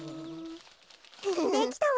できたわ。